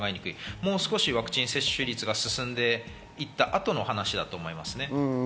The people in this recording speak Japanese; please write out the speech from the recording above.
もう少しワクチン接種率が進んで行った後の話だと思います。